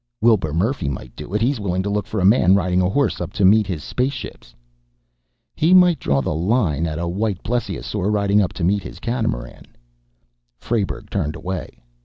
"Wilbur Murphy might do it. He's willing to look for a man riding a horse up to meet his space ships." "He might draw the line at a white plesiosaur riding up to meet his catamaran." Frayberg turned away.